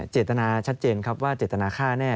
เจตนาชัดเจนครับว่าเจตนาฆ่าแน่